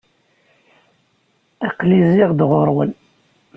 Aql-i zziɣ-d ɣur-wen.